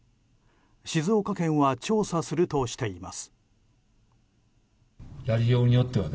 静岡県は調査するとしています。